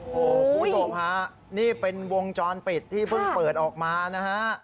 โอ้โฮคุณสมค่ะนี่เป็นวงจรปิดที่เพิ่งเปิดออกมานะฮะ